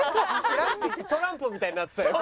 トランプみたいになってたよ。